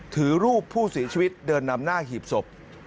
ถือรูปผู้เสียชีวิตเดินนำหน้าหีบศพ